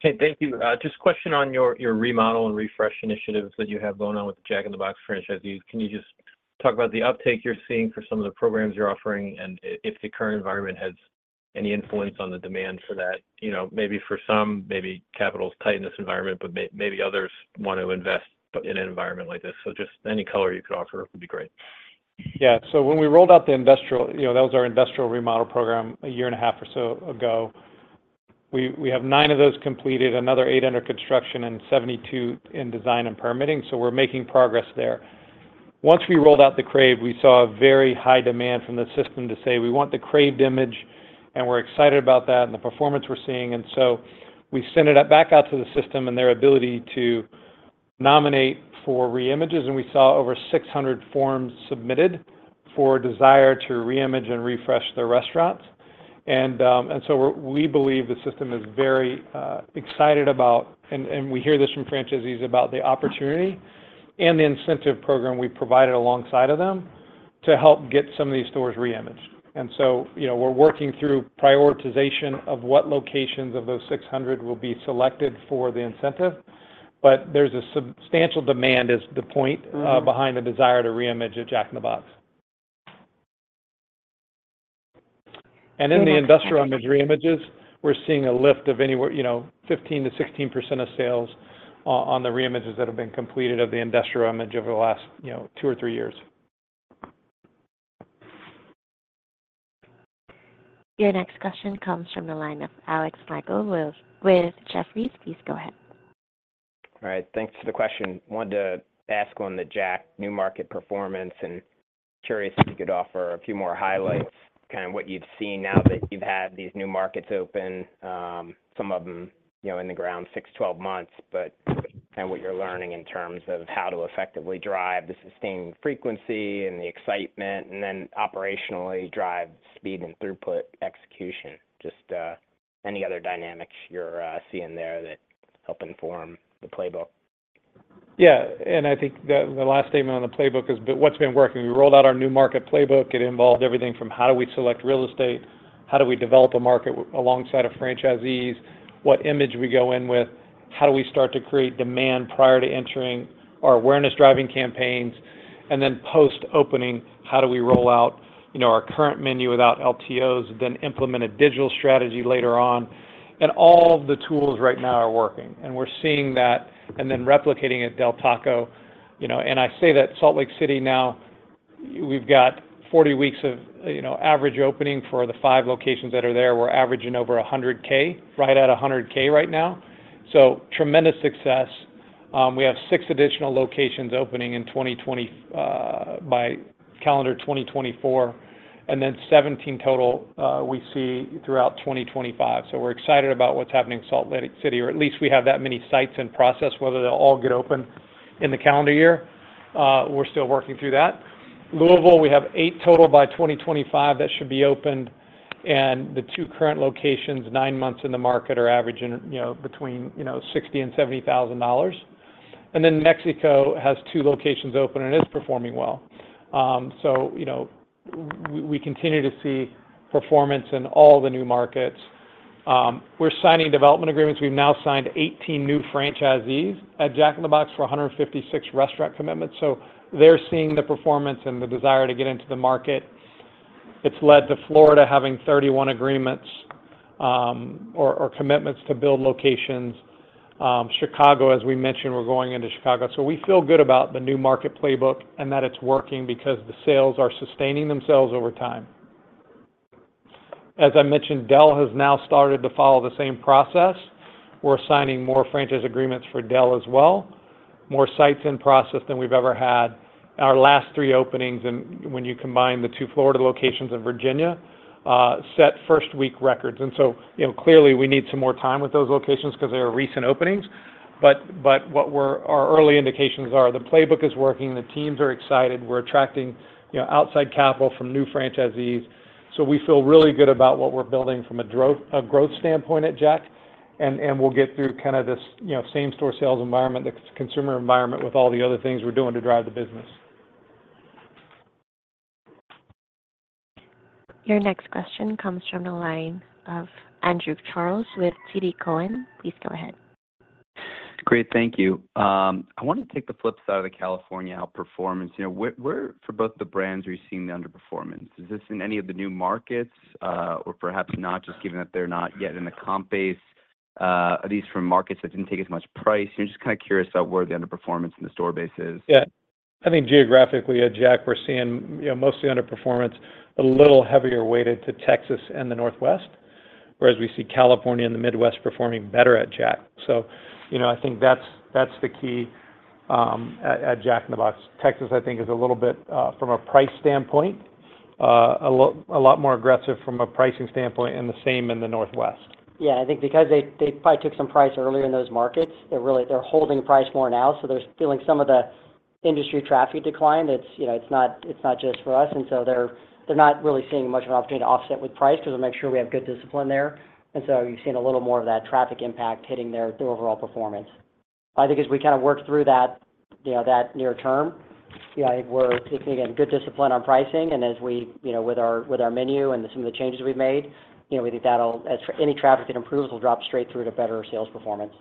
Okay, thank you. Just a question on your remodel and refresh initiatives that you have going on with the Jack in the Box franchisees. Can you just talk about the uptake you're seeing for some of the programs you're offering, and if the current environment has any influence on the demand for that? You know, maybe for some, maybe capital is tight in this environment, but maybe others want to invest in an environment like this. So just any color you could offer would be great. Yeah. So when we rolled out the industrial... You know, that was our industrial remodel program a year and a half or so ago. We have nine of those completed, another eight under construction, and 72 in design and permitting, so we're making progress there. Once we rolled out the CRAVED, we saw a very high demand from the system to say, "We want the CRAVED image, and we're excited about that and the performance we're seeing." And so we sent it back out to the system and their ability to nominate for re-images, and we saw over 600 forms submitted for desire to re-image and refresh their restaurants. And so we believe the system is very excited about, and we hear this from franchisees, about the opportunity and the incentive program we provided alongside of them to help get some of these stores reimaged. And so, you know, we're working through prioritization of what locations of those 600 will be selected for the incentive. But there's a substantial demand, is the point, behind the desire to reimage a Jack in the Box. And in the industrial image reimages, we're seeing a lift of anywhere, you know, 15%-16% of sales on the reimages that have been completed of the industrial image over the last, you know, two or three years. Your next question comes from the line of Alexander Slagle with Jefferies. Please go ahead. All right, thanks for the question. Wanted to ask on the Jack new market performance, and curious if you could offer a few more highlights, kind of what you've seen now that you've had these new markets open, some of them, you know, in the ground six, 12 months, but kind of what you're learning in terms of how to effectively drive the sustained frequency and the excitement, and then operationally drive speed and throughput execution. Just, any other dynamics you're seeing there that help inform the playbook? Yeah, and I think the last statement on the playbook is what's been working. We rolled out our new market playbook. It involved everything from how do we select real estate, how do we develop a market alongside of franchisees, what image we go in with, how do we start to create demand prior to entering our awareness-driving campaigns, and then post-opening, how do we roll out, you know, our current menu without LTOs, then implement a digital strategy later on? And all of the tools right now are working, and we're seeing that, and then replicating at Del Taco, you know. And I say that Salt Lake City now... We've got 40 weeks of, you know, average opening for the 5 locations that are there. We're averaging over $100K, right at $100K right now. So tremendous success. We have six additional locations opening in 2020, by calendar 2024, and then 17 total, we see throughout 2025. So we're excited about what's happening in Salt Lake City, or at least we have that many sites in process. Whether they'll all get open in the calendar year, we're still working through that. Louisville, we have eight total by 2025 that should be opened, and the two current locations, nine months in the market, are averaging, you know, between, you know, $60,000 and $70,000. And then Mexico has two locations open and is performing well. So, you know, we continue to see performance in all the new markets. We're signing development agreements. We've now signed 18 new franchisees at Jack in the Box for 156 restaurant commitments, so they're seeing the performance and the desire to get into the market. It's led to Florida having 31 agreements or commitments to build locations. Chicago, as we mentioned, we're going into Chicago. So we feel good about the new market playbook and that it's working because the sales are sustaining themselves over time. As I mentioned, Del has now started to follow the same process. We're signing more franchise agreements for Del as well, more sites in process than we've ever had. Our last three openings, and when you combine the two Florida locations in Virginia, set first week records. You know, clearly we need some more time with those locations 'cause they are recent openings, but our early indications are the playbook is working, the teams are excited. We're attracting, you know, outside capital from new franchisees, so we feel really good about what we're building from a growth standpoint at Jack. And we'll get through kind of this, you know, same-store sales environment, the consumer environment, with all the other things we're doing to drive the business. Your next question comes from the line of Andrew Charles with TD Cowen. Please go ahead. Great, thank you. I want to take the flip side of the California outperformance. You know, where, where, for both the brands, are you seeing the underperformance? Is this in any of the new markets, or perhaps not, just given that they're not yet in the comp base, at least from markets that didn't take as much price? I'm just kind of curious about where the underperformance in the store base is. Yeah. I think geographically at Jack, we're seeing, you know, mostly underperformance, a little heavier weighted to Texas and the Northwest, whereas we see California and the Midwest performing better at Jack. So, you know, I think that's, that's the key, at, at Jack in the Box. Texas, I think, is a little bit, from a price standpoint, a lot, a lot more aggressive from a pricing standpoint, and the same in the Northwest. Yeah, I think because they, they probably took some price earlier in those markets, they're really, they're holding price more now, so they're feeling some of the industry traffic decline. It's, you know, it's not, it's not just for us, and so they're, they're not really seeing much of an opportunity to offset with price 'cause we make sure we have good discipline there. And so you've seen a little more of that traffic impact hitting their, the overall performance. I think as we kind of work through that, you know, that near term, yeah, I think we're taking a good discipline on pricing, and as we... You know, with our, with our menu and some of the changes we've made, you know, we think that'll, as for any traffic it improves, will drop straight through to better sales performance.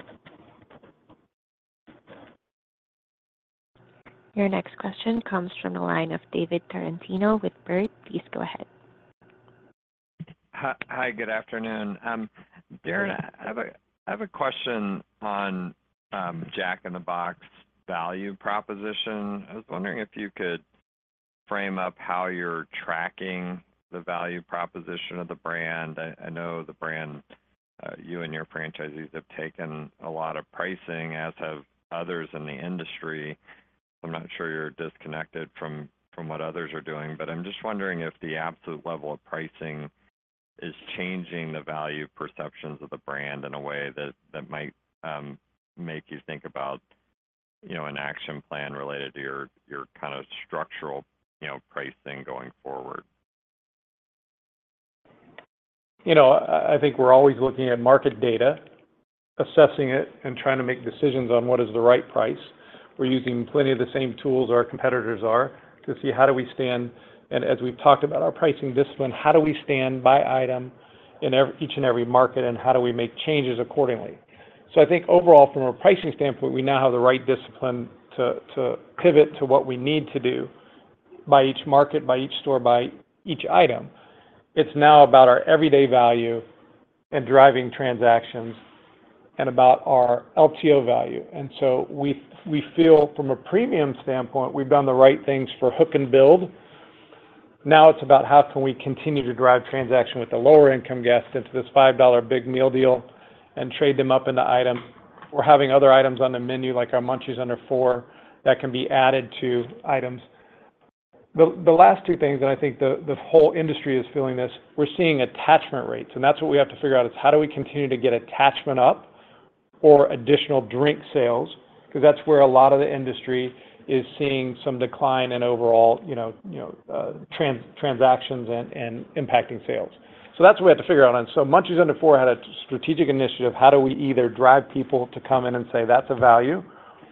Your next question comes from the line of David Tarantino with Baird. Please go ahead. Hi, good afternoon. Darin, I have a question on Jack in the Box value proposition. I was wondering if you could frame up how you're tracking the value proposition of the brand. I know the brand, you and your franchisees have taken a lot of pricing, as have others in the industry. I'm not sure you're disconnected from what others are doing, but I'm just wondering if the absolute level of pricing is changing the value perceptions of the brand in a way that might make you think about, you know, an action plan related to your kind of structural, you know, pricing going forward. You know, I, I think we're always looking at market data, assessing it, and trying to make decisions on what is the right price. We're using plenty of the same tools our competitors are, to see how do we stand. And as we've talked about our pricing discipline, how do we stand by item in every—each and every market, and how do we make changes accordingly? So I think overall, from a pricing standpoint, we now have the right discipline to, to pivot to what we need to do by each market, by each store, by each item. It's now about our everyday value and driving transactions and about our LTO value. And so we, we feel from a premium standpoint, we've done the right things for hook and build. Now it's about how can we continue to drive transaction with the lower income guests into this $5 Big Deal Meal and trade them up into item. We're having other items on the menu, like our Munchies Under $4, that can be added to items. The last two things, and I think the whole industry is feeling this, we're seeing attachment rates, and that's what we have to figure out, is how do we continue to get attachment up or additional drink sales? Because that's where a lot of the industry is seeing some decline in overall, you know, transactions and impacting sales. So that's what we have to figure out. And so Munchies Under $4 had a strategic initiative: how do we either drive people to come in and say, "That's a value,"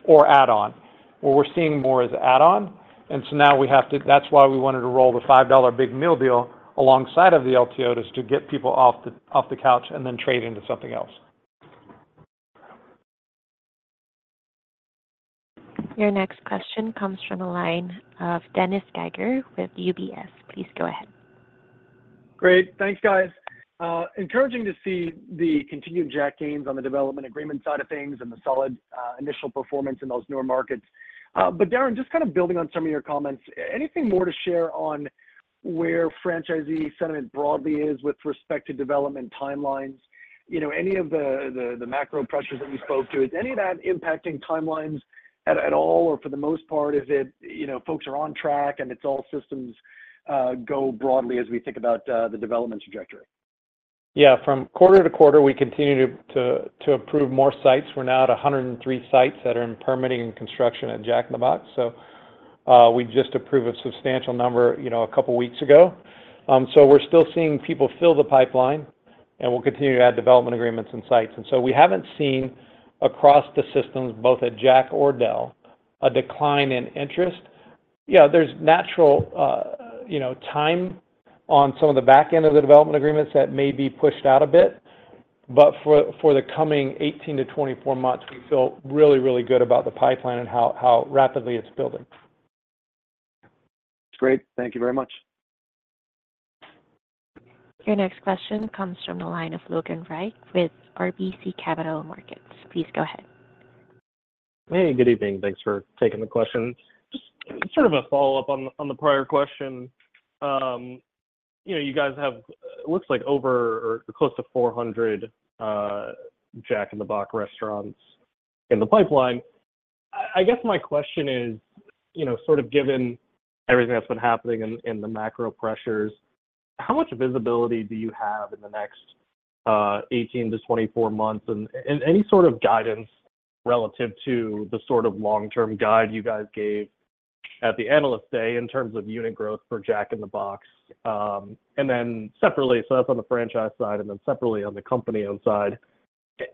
or add on? What we're seeing more is add-on, and so now we have to, that's why we wanted to roll the $5 Big Deal Meal alongside of the LTO, is to get people off the, off the couch and then trade into something else. Your next question comes from the line of Dennis Geiger with UBS. Please go ahead.... Great. Thanks, guys. Encouraging to see the continued Jack gains on the development agreement side of things and the solid initial performance in those newer markets. But Darin, just kind of building on some of your comments, anything more to share on where franchisee sentiment broadly is with respect to development timelines? You know, any of the macro pressures that you spoke to, is any of that impacting timelines at all? Or for the most part, is it, you know, folks are on track and it's all systems go broadly as we think about the development trajectory? Yeah, from quarter-to-quarter, we continue to approve more sites. We're now at 103 sites that are in permitting and construction at Jack in the Box. So, we just approved a substantial number, you know, a couple of weeks ago. So we're still seeing people fill the pipeline, and we'll continue to add development agreements and sites. And so we haven't seen across the systems, both at Jack or Del, a decline in interest. Yeah, there's natural, you know, time on some of the back end of the development agreements that may be pushed out a bit, but for the coming 18-24 months, we feel really, really good about the pipeline and how rapidly it's building. Great. Thank you very much. Your next question comes from the line of Logan Reich with RBC Capital Markets. Please go ahead. Hey, good evening. Thanks for taking the questions. Just sort of a follow-up on, on the prior question. You know, you guys have, it looks like over or close to 400 Jack in the Box restaurants in the pipeline. I, I guess my question is, you know, sort of given everything that's been happening in, in the macro pressures, how much visibility do you have in the next 18-24 months? And, and any sort of guidance relative to the sort of long-term guide you guys gave at the Analyst Day in terms of unit growth for Jack in the Box. And then separately, so that's on the franchise side, and then separately on the company side,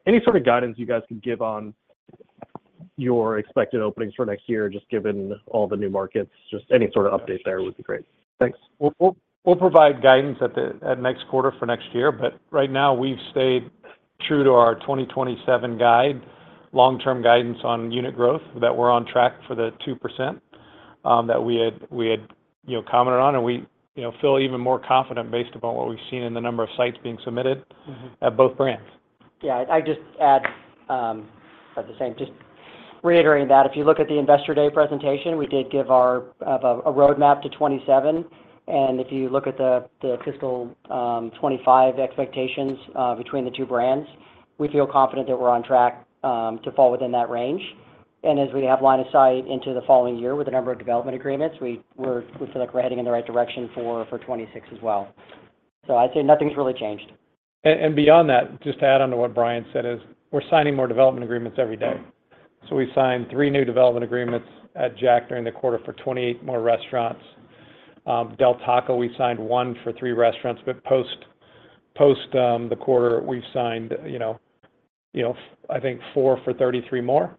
any sort of guidance you guys can give on your expected openings for next year, just given all the new markets, just any sort of update there would be great. Thanks. We'll provide guidance at the- at next quarter for next year, but right now, we've stayed true to our 2027 guide, long-term guidance on unit growth, that we're on track for the 2%, that we had, you know, commented on, and we, you know, feel even more confident based upon what we've seen in the number of sites being submitted- Mm-hmm... at both brands. Yeah, I'd just add, at the same, just reiterating that. If you look at the Investor Day presentation, we did give our roadmap to 2027, and if you look at the fiscal 2025 expectations, between the two brands, we feel confident that we're on track to fall within that range. And as we have line of sight into the following year with a number of development agreements, we feel like we're heading in the right direction for 2026 as well. So I'd say nothing's really changed. Beyond that, just to add on to what Brian said, is we're signing more development agreements every day. So we signed three new development agreements at Jack during the quarter for 28 more restaurants. Del Taco, we signed one for three restaurants, but post the quarter, we've signed, you know, I think four for 33 more.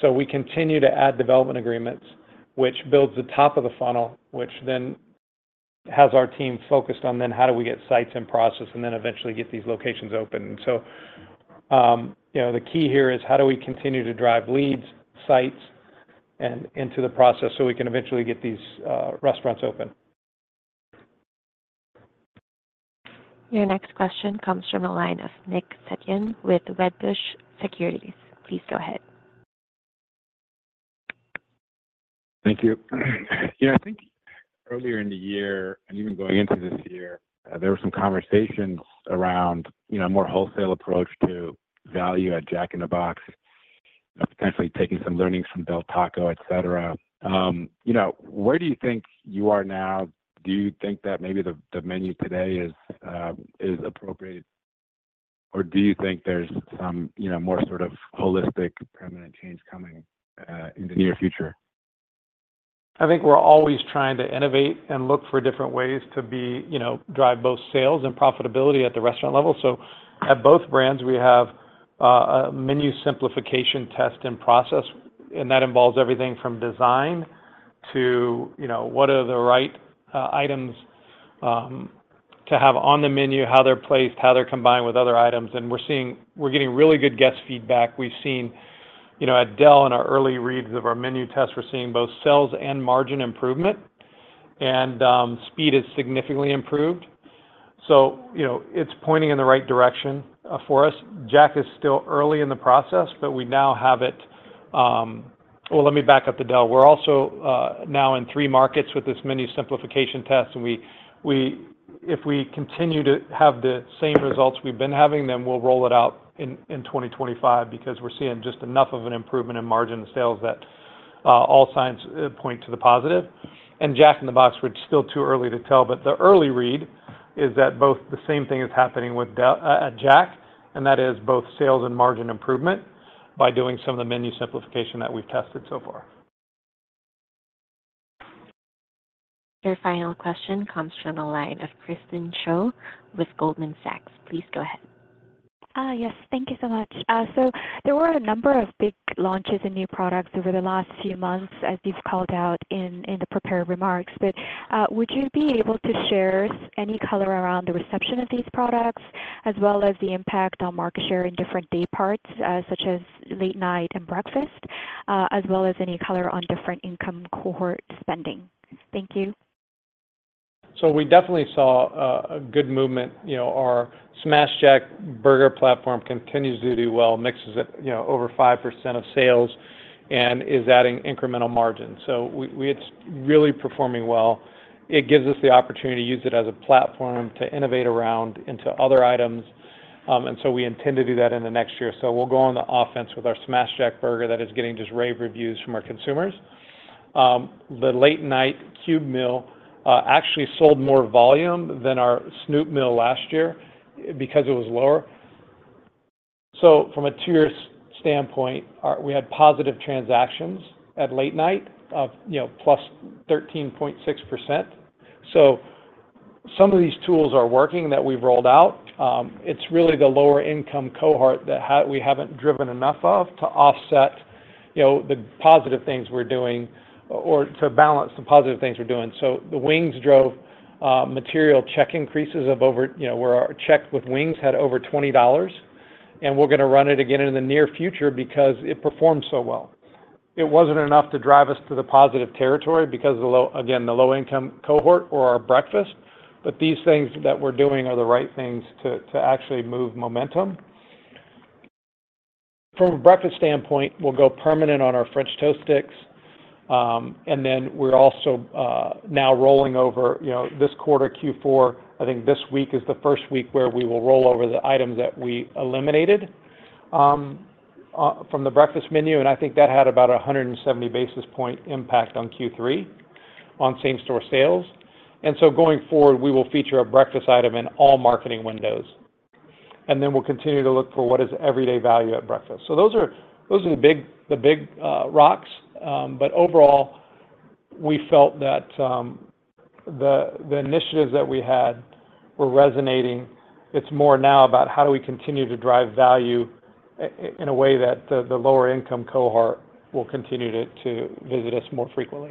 So we continue to add development agreements, which builds the top of the funnel, which then has our team focused on then how do we get sites in process and then eventually get these locations open. So, you know, the key here is how do we continue to drive leads, sites, and into the process so we can eventually get these restaurants open? Your next question comes from the line of Nick Setyan with Wedbush Securities. Please go ahead. Thank you. Yeah, I think earlier in the year, and even going into this year, there were some conversations around, you know, a more wholesale approach to value at Jack in the Box, potentially taking some learnings from Del Taco, et cetera. You know, where do you think you are now? Do you think that maybe the menu today is appropriate, or do you think there's some, you know, more sort of holistic, permanent change coming, in the near future? I think we're always trying to innovate and look for different ways to be, you know, drive both sales and profitability at the restaurant level. So at both brands, we have a menu simplification test and process, and that involves everything from design to, you know, what are the right items to have on the menu, how they're placed, how they're combined with other items, and we're getting really good guest feedback. We've seen, you know, at Del, in our early reads of our menu test, we're seeing both sales and margin improvement, and speed is significantly improved. So, you know, it's pointing in the right direction for us. Jack is still early in the process, but we now have it. Well, let me back up to Del. We're also now in three markets with this menu simplification test, and if we continue to have the same results we've been having, then we'll roll it out in 2025 because we're seeing just enough of an improvement in margin and sales that all signs point to the positive. And Jack in the Box, which is still too early to tell, but the early read is that both the same thing is happening with Del Taco at Jack, and that is both sales and margin improvement by doing some of the menu simplification that we've tested so far. Your final question comes from the line of Christine Cho with Goldman Sachs. Please go ahead. Yes. Thank you so much. So there were a number of big launches and new products over the last few months, as you've called out in the prepared remarks. But would you be able to share any color around the reception of these products, as well as the impact on market share in different day parts, such as late night and breakfast? As well as any color on different income cohort spending. Thank you. So we definitely saw a good movement. You know, our Smashed Jack burger platform continues to do well, mixes at, you know, over 5% of sales and is adding incremental margin. So we—it's really performing well. It gives us the opportunity to use it as a platform to innovate around into other items. And so we intend to do that in the next year. So we'll go on the offense with our Smashed Jack burger that is getting just rave reviews from our consumers. The late-night Cube Meal actually sold more volume than our Snoop Meal last year because it was lower. So from a tiers standpoint, our—we had positive transactions at late night of, you know, +13.6%. So some of these tools are working that we've rolled out. It's really the lower income cohort that we haven't driven enough of, to offset, you know, the positive things we're doing or to balance the positive things we're doing. So the wings drove material check increases of over $20. You know, where our check with wings had over $20, and we're gonna run it again in the near future because it performed so well. It wasn't enough to drive us to the positive territory because of the low—again, the low-income cohort or our breakfast. But these things that we're doing are the right things to actually move momentum. From a breakfast standpoint, we'll go permanent on our French Toast Sticks. And then we're also now rolling over, you know, this quarter, Q4. I think this week is the first week where we will roll over the items that we eliminated from the breakfast menu, and I think that had about 170 basis point impact on Q3, on same store sales. So going forward, we will feature a breakfast item in all marketing windows, and then we'll continue to look for what is everyday value at breakfast. Those are the big rocks. But overall, we felt that the initiatives that we had were resonating. It's more now about how do we continue to drive value in a way that the lower income cohort will continue to visit us more frequently.